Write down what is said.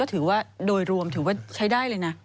ถือว่าโดยรวมถือว่าใช้ได้เลยนะ